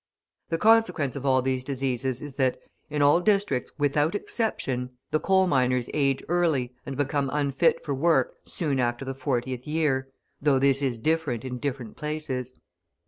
The consequence of all these diseases is that, in all districts without exception, the coal miners age early and become unfit for work soon after the fortieth year, though this is different in different places.